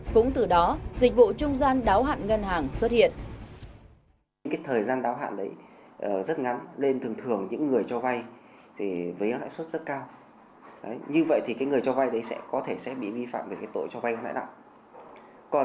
cũng từ đó dịch vụ trung gian đáo hạn ngân hàng xuất hiện